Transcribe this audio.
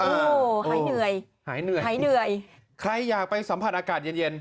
ให้เหนื่อยหายเหนื่อยใครอยากสัมผัสอากาศเย็นเย็น